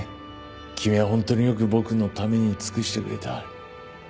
君は本当によく僕のために尽くしてくれた。